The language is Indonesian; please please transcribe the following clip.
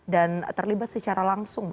dan terlibat secara langsung ya